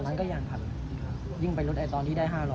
นั้นก็ยังขับยิ่งไปลดไอตอนที่ได้๕๐๐